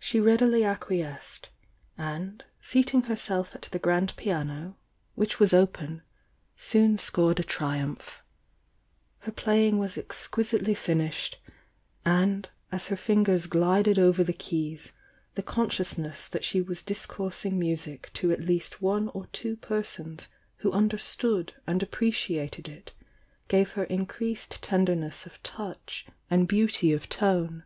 She readily acquiesced, and seating herself at the grand piano, which was open, soon scored a triumph. Her playing was exquisitely finished, and as her fin gers glided over the keys, the consciousness that she was discoursing music to at least one or two per sons who understood and appreciated it gave her increased tenderness of touch and beauty of tone.